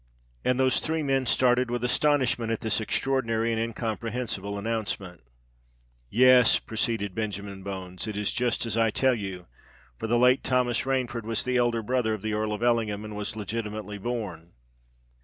And those three men started with astonishment at this extraordinary and incomprehensible announcement. "Yes," proceeded Benjamin Bones: "it is just as I tell you—for the late Thomas Rainford was the elder brother of the Earl of Ellingham, and was legitimately born!"